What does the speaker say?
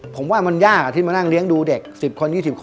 ผมว่ามันยากที่มานั่งเลี้ยงดูเด็ก๑๐คน๒๐คน